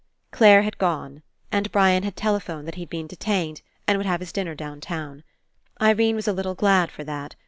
Clare had gone and Brian had tele phoned that he'd been detained and would have his dinner downtown. Irene was a little glad for that.